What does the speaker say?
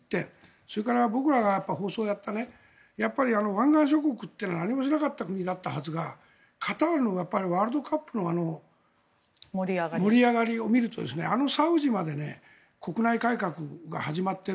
それから僕らが放送をやった湾岸諸国というのは何もしなかった国だったはずがカタールのワールドカップの盛り上がりを見るとあのサウジまで国内改革が始まってる。